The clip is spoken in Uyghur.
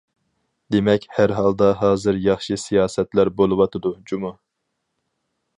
دېمەك ھەرھالدا ھازىر ياخشى سىياسەتلەر بولۇۋاتىدۇ جۇمۇ!